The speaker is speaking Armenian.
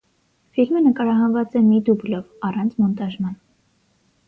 Ֆիլմը նկարահանված է մի դուբլով՝ առանց մոնտաժման։